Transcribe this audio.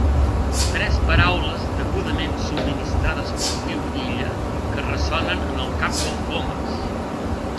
Tres paraules degudament subministrades per Nil Illa que ressonen en el cap del Comas.